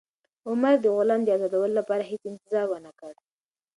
عمر د غلام د ازادولو لپاره هېڅ انتظار ونه کړ.